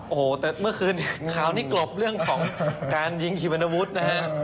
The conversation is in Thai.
โอ้โหแต่เมื่อคืนข่าวนี้กรบเรื่องของการยิงขี่วรรณวุฒินะฮะ